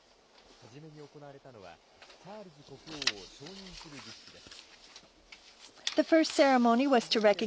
はじめに行われたのはチャールズ国王を承認する儀式です。